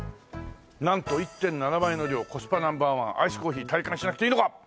「なんと１．７倍の量」「コスパＮｏ．１アイス珈琲体感しなくていいのか」